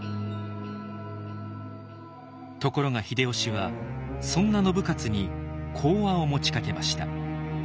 ところが秀吉はそんな信雄に講和を持ちかけました。